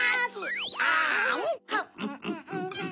あん！